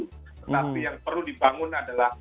tetapi yang perlu dibangun adalah